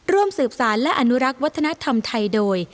ร่วมสืบสารและอนุรักษ์วัฒนธรรมไทยโดย